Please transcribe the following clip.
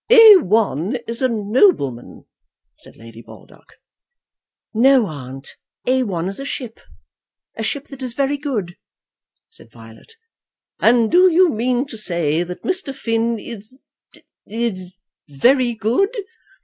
"A 1 is a nobleman," said Lady Baldock. "No, aunt; A 1 is a ship, a ship that is very good," said Violet. "And do you mean to say that Mr. Finn is, is, is, very good?"